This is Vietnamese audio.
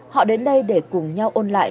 họ đến đây để cùng nhau ôn lại